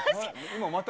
今また。